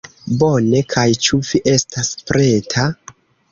Bone. Kaj ĉu vi estas preta?